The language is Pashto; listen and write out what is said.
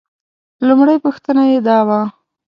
لومړۍ پوښتنه یې دا وه.